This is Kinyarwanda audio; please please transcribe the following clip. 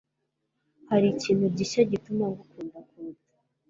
hari ikintu gishya gituma ngukunda kuruta